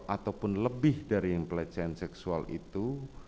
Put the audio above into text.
ataupun lebih dari yang pelecehan seksual itu